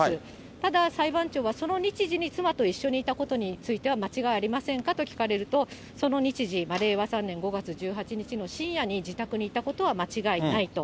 ただ、裁判長はその日時に妻と一緒にいたことについては間違いありませんか？と聞かれると、その日時、令和３年５月１８日の深夜に自宅にいたことは間違いないと。